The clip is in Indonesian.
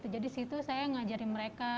jadi di situ saya ngajarin mereka